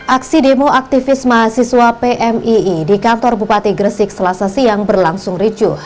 aksi demo aktivis mahasiswa pmii di kantor bupati gresik selasa siang berlangsung ricuh